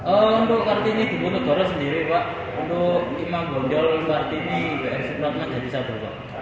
untuk artinya juga notori sendiri pak untuk lima gonjol partini bnc bapak jadi sabo